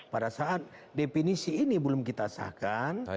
pada saat definisi ini belum kita sahkan